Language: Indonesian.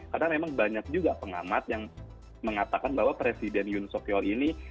karena memang banyak juga pengamat yang mengatakan bahwa presiden yoon seok yeol ini